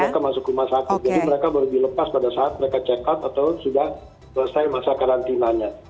jadi mereka baru dilepas pada saat mereka check out atau sudah selesai masa karantinanya